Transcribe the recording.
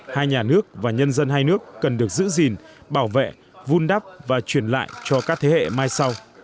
hai nhà nước và nhân dân hai nước cần được giữ gìn bảo vệ vun đắp và truyền lại cho các thế hệ mai sau